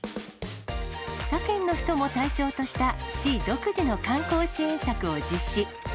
他県の人も対象とした市独自の観光支援策を実施。